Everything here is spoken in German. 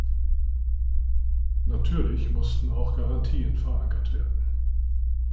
Natürlich mussten auch Garantien verankert werden.